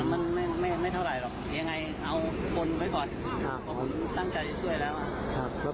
แต่มันไม่เท่าไรหรอกยังไงเอาคนไว้ก่อน